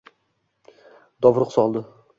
Dovruq soldi